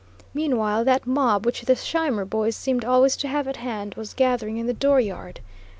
Meanwhile, that mob, which the Scheimer boys seemed always to have at hand, was gathering in the dooryard.